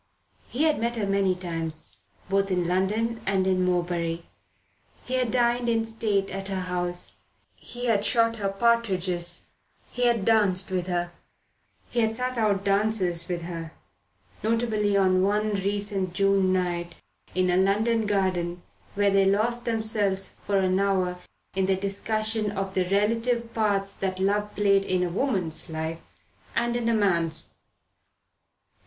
He had met her many times, both in London and in Morebury; he had dined in state at her house; he had shot her partridges; he had danced with her; he had sat out dances with her, notably on one recent June night, in a London garden, where they lost themselves for an hour in the discussion of the relative parts that love played in a woman's life and in a man's.